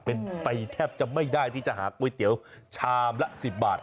เป็นไปแทบจะไม่ได้ที่จะหาก๋วยเตี๋ยวชามละ๑๐บาท